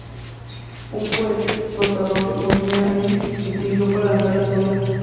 Un cohete portador Molniya-M se utilizó para lanzar la sonda.